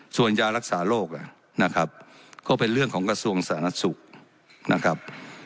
ส่วนยารักษาโรคนะครับก็เป็นเรื่องของกระทรวงสาธารณสุขนะครับ